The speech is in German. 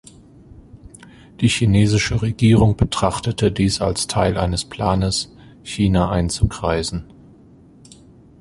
Die chinesische Regierung betrachtete dies als Teil eines Planes, China einzukreisen.